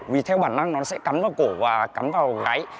vì theo bản năng nó sẽ cắn vào cổ và cắn vào gáy